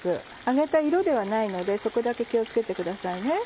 揚げた色ではないのでそこだけ気を付けてください。